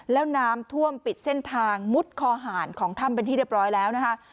แล้วน้ำท่วมปิดเส้นทางมุดคอหารของถ้ำเป็นที่เรียบร้อยแล้วนะคะ